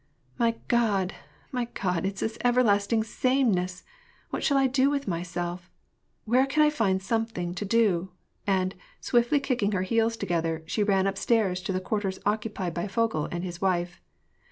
My Grod ! my God ! it's this everlasting sameness ! What shall I do with myself ? Where can I find something to do?" and, swiftly kicking her heels together, she ran upstairs to the quarters occupied by Vogel and his wife.